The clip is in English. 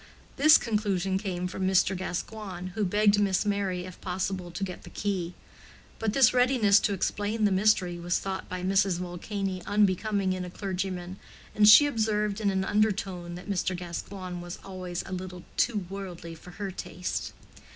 This conclusion came from Mr. Gascoigne, who begged Miss Merry if possible to get the key. But this readiness to explain the mystery was thought by Mrs. Vulcany unbecoming in a clergyman, and she observed in an undertone that Mr. Gascoigne was always a little too worldly for her taste.